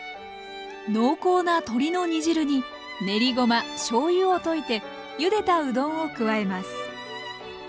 濃厚な鶏の煮汁に練りごましょうゆを溶いてゆでたうどんを加えます。